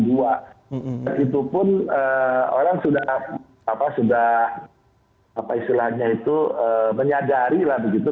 begitupun orang sudah apa istilahnya itu menyadari lah begitu